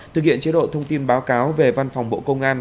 thực hiện chế độ thông tin báo cáo về văn phòng bộ công an